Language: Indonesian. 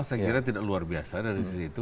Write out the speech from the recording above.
saya kira tidak luar biasa dari situ